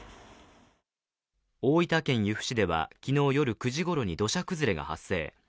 大分県由布市では昨日夜９時ごろに土砂崩れが発生。